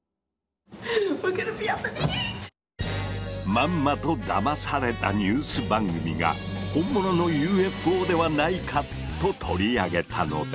まんまとだまされたニュース番組が本物のＵＦＯではないかと取り上げたのだ。